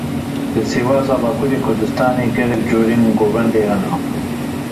Li Sêwasa Bakurê Kurdistanê gelek curên govendê hene.